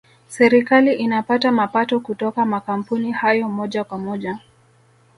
serikali inapata mapato kutoka makampuni hayo moja kwa moja